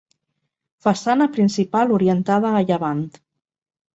Façana principal orientada a llevant.